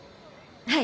はい。